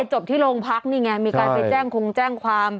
จบที่โรงพักนี่ไงมีการไปแจ้งคงแจ้งความ